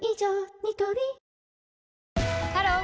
ニトリハロー！